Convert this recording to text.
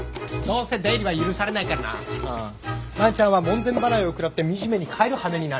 うん万ちゃんは門前払いを食らって惨めに帰るはめになる。